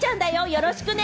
よろしくね？